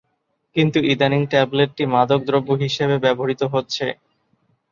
কিন্তু ইদানীং ট্যাবলেট টি মাদক দ্রব্য হিসেবে ব্যবহৃত হচ্ছে।